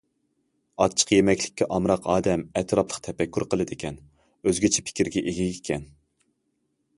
ئاچچىق يېمەكلىككە ئامراق ئادەم ئەتراپلىق تەپەككۇر قىلدىكەن، ئۆزگىچە پىكىرگە ئىگە ئىكەن.